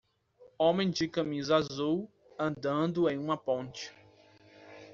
Homem de camisa azul, andando em uma ponte.